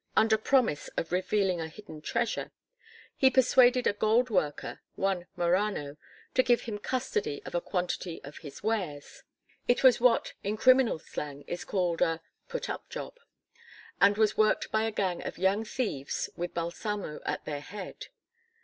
Under promise of revealing a hidden treasure, he persuaded a goldworker, one Morano, to give him custody of a quantity of his wares. It was what, in criminal slang is called "a put up job," and was worked by a gang of young thieves with Balsamo at their head.